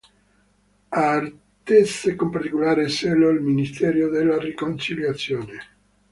Attese con particolare zelo al ministero della riconciliazione.